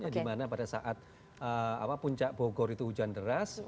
dimana pada saat puncak bogor itu hujan deras